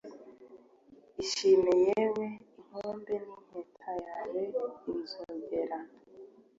Ishime yewe inkombe nimpeta yewe inzogera